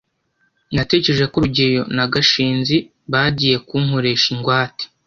natekereje ko rugeyo na gashinzi bagiye kunkoresha ingwate